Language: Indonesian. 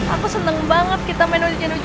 aku seneng banget kita main hujan hujanan kayak gini